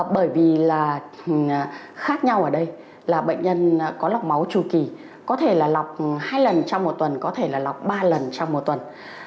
bởi vì là khác nhau ở đây là bệnh nhân có lọc máu trù kỳ có thể là lọc hai lần trong một tuần có thể là lọc ba lần trong một tuần